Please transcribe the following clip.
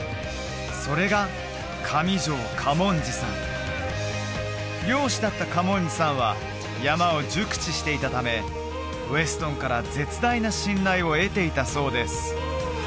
それが上條嘉門次さん猟師だった嘉門次さんは山を熟知していたためウェストンから絶大な信頼を得ていたそうです